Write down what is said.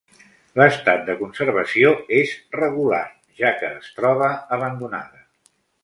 L'estat de conservació és regular, ja que es troba abandonada.